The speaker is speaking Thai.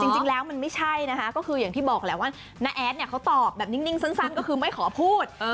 จริงแล้วมันไม่ใช่นะคะก็คืออย่างที่บอกแหละว่าน้าแอดเนี่ยเขาตอบแบบนิ่งสั้นก็คือไม่ขอพูด